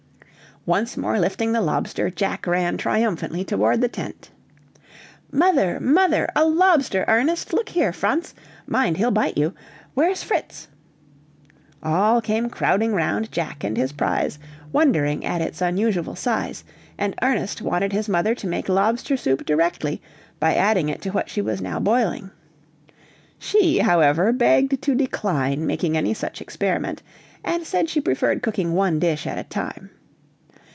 Once more lifting the lobster, Jack ran triumphantly toward the tent. "Mother, mother! a lobster, Ernest! look here, Franz! mind, he'll bite you! Where's Fritz?" All came crowding round Jack and his prize, wondering at its unusual size, and Ernest wanted his mother to make lobster soup directly, by adding it to what she was now boiling. She, however, begged to decline making any such experiment, and said she preferred cooking one dish at a time.